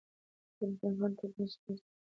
ټولنپوهان ټولنیزې ستونزې لټوي.